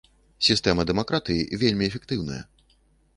Сістэма дэмакратыі вельмі эфектыўная.